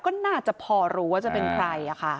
ก็น่าจะพอรู้ว่าจะเป็นใคร